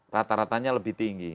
rata ratanya lebih tinggi